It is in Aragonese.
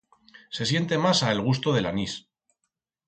Se siente masa el gusto de l'anís.